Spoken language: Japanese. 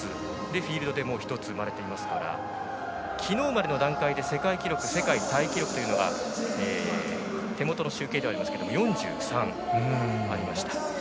フィールドでも１つ、生まれていますから昨日までの段階で世界記録世界タイ記録というのは手元の集計では４３ありました。